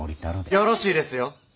よろしですよ。